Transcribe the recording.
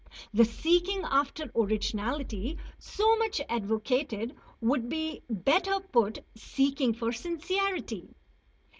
The "seeking after originality" so much advocated would be better put "seeking for sincerity."